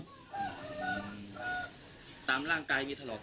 ตามร่างกายมีถลอก